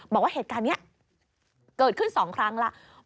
บอกว่าเหตุการณ์นี้เกิดขึ้น๒ครั้งแล้ว